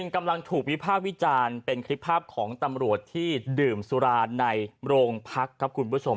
กำลังถูกวิภาควิจารณ์เป็นคลิปภาพของตำรวจที่ดื่มสุราในโรงพักครับคุณผู้ชม